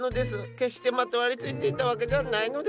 決してまとわりついていたわけではないのです。